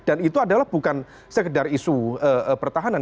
dan itu adalah bukan sekedar isu pertahanan